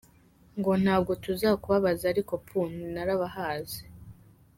Ngo ntabwo tuzakubabaza, ariko apuuu narabahaze !”